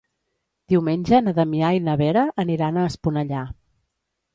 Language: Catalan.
Diumenge na Damià i na Vera aniran a Esponellà.